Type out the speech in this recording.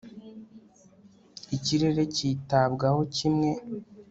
ikirere cyitabwaho kimwe